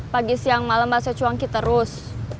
pagi siang malam baso cuanki terus